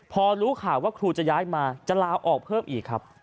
พอรู้ข่าวว่าครูจะย้ายมาจะลาออกเพิ่มอีกครับ